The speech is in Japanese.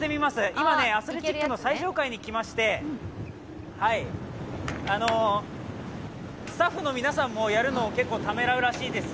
今、アスレチックの最上階に来まして、スタッフの皆さんもやるのを結構ためらうらしいです。